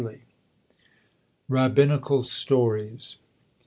RABBINICAL STORIES.